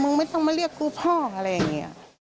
ไม่ต้องมาเรียกกูพ่องอะไรอย่างนี้